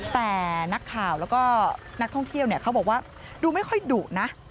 แต่นักข่าวแล้วก็นักท่องเที่ยวเขาบอกว่าดูไม่ค่อยดุนะ